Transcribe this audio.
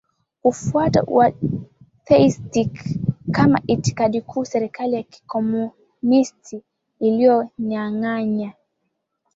kufuata uatheisti kama itikadi kuu Serikali ya kikomunisti ilinyanganya